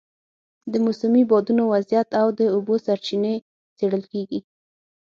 د موسمي بادونو وضعیت او د اوبو سرچینې څېړل کېږي.